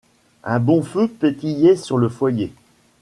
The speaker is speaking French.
Un bon feu pétillait sur le foyer.